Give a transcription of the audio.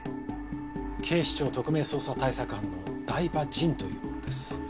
警視庁特命捜査対策班の台場陣という者です。